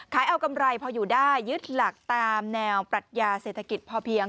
เอากำไรพออยู่ได้ยึดหลักตามแนวปรัชญาเศรษฐกิจพอเพียง